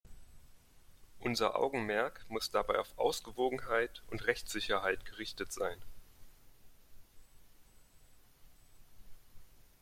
Unser Augenmerk muss dabei auf Ausgewogenheit und Rechtssicherheit gerichtet sein.